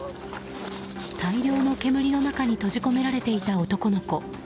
大量の煙の中に閉じ込められていた男の子。